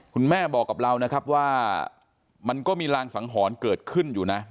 แม่บอกกับเรานะครับว่ามันก็มีรางสังหรณ์เกิดขึ้นอยู่นะ